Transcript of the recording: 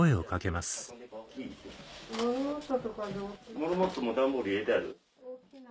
モルモットも段ボール入れてある。